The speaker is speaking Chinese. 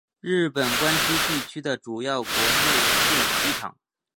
日本关西地区的主要国内线机场。